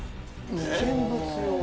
「危険物用？」